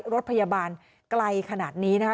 รถพยาบาลไกลขนาดนี้นะคะ